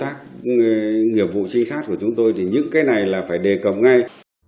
thế thì đây nó là một trong những cái mà trong công tác nghiệp vụ trinh sát của chúng tôi thì những cái này là phải đề cộng ngay